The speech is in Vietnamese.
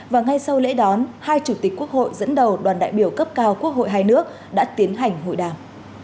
và ngay sau lễ đón hai chủ tịch quốc hội dẫn đầu đoàn đại biểu cấp cao quốc hội hai nước đã tiến hành hội đàm